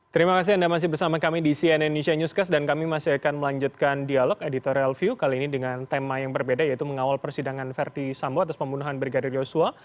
terima kasih anda masih bersama kami di cnn indonesia newscast dan kami masih akan melanjutkan dialog editorial view kali ini dengan tema yang berbeda yaitu mengawal persidangan verdi sambo atas pembunuhan brigadir yosua